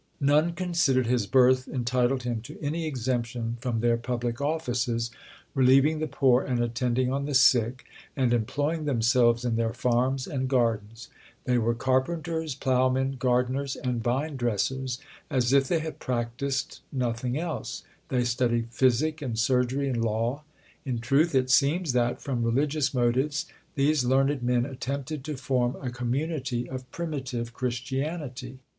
None considered his birth entitled him to any exemption from their public offices, relieving the poor and attending on the sick, and employing themselves in their farms and gardens; they were carpenters, ploughmen, gardeners, and vine dressers, as if they had practised nothing else; they studied physic, and surgery, and law; in truth, it seems that, from religious motives, these learned men attempted to form a community of primitive Christianity.